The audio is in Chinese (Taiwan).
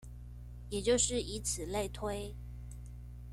也就是以此類推